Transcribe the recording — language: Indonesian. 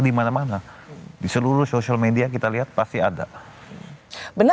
di mana mana di seluruh social media kita lihat pasti ada benar gak waktu pembuatan film itu anda bisa mencari nama yang berbeda